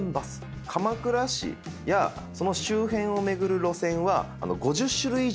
鎌倉市やその周辺を巡る路線は５０種類以上。